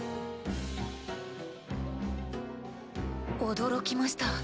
驚きました。